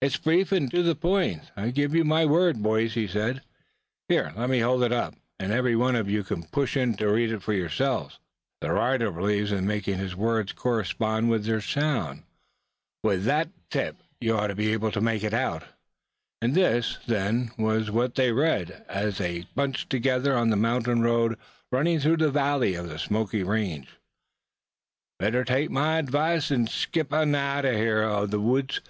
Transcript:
"It's brief, and to the point, I give you my word, boys," he said. "Here, let me hold it up, and every one of you can push in to read for yourselves. The writer believes in making his words correspond with their sound. With that for a tip you ought to be able to make it out." And this, then, was what they read, as they bunched together on the mountain road running through the valley of the Smoky Range: "Beter tak my advis an skip outen this neck ov the woods.